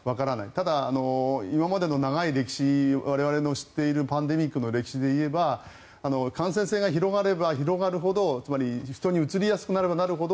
ただ、今までの長い歴史我々の知っているパンデミックの歴史で言えば感染性が広がれば広がるほどつまり人にうつりやすくなればなるほど